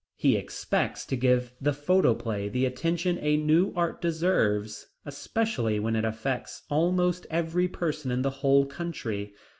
He expects to give the photoplay the attention a new art deserves, especially when it affects almost every person in the whole country.